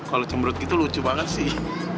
kalo cemberut gitu lucu banget sih